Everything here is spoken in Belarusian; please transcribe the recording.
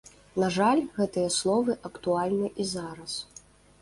На жаль, гэтыя словы актуальны і зараз.